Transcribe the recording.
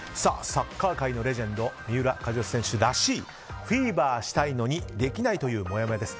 サッカー界のレジェンド三浦知良選手らしいフィーバーしたいのにできないというもやもやです。